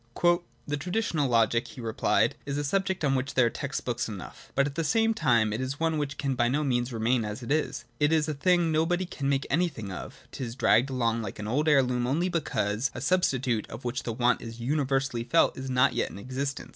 ' The traditional Logic,' he replied'^, 'is a subject on which there are text books enough, but at the same time it is one which ' Hegel's Briefe, i. 141. '' Ibid. i. 172. OF THE ENCYCLOPAEDIA. xiii can by no means remain as it is : it is a thing nobody can make anything of: 'tis dragged along like an old heirloom, only because a substitute — of which the want is universally felt — is not yet in existence.